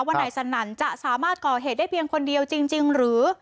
ว่านายสนั่นจะสามารถก่อเหตุได้เพียงคนเดียวจริงหรือ